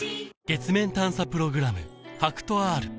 月面探査プログラム